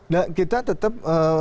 nah kita tetap